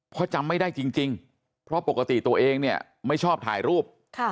เพราะจำไม่ได้จริงเพราะปกติตัวเองเนี่ยไม่ชอบถ่ายรูป